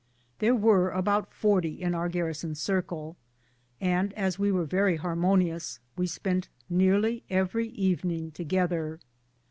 There were about forty in our garrison circle, and as we were very harmonious we spent nearly every evening together.